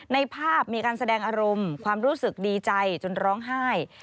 ในภาพมีการแสดงอารมณ์ความรู้สึกดีใจจนร้องไห้